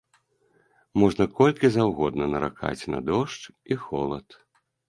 Можна колькі заўгодна наракаць на дождж і холад.